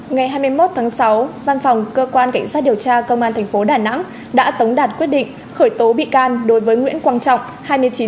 ngày hai mươi một tháng sáu văn phòng cơ quan cảnh sát điều tra công an tp đà nẵng đã tống đạt quyết định khởi tố bị can đối với nguyễn quang trọng hai mươi chín tuổi